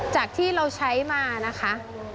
จากที่เราใช้มานะคะ